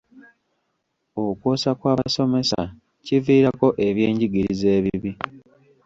Okwosa kw'abasomesa kiviirako ebyenjigiriza ebibi.